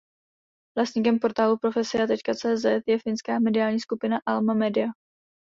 Vlastníkem portálu "Profesia.cz" je finská mediální skupina Alma Media.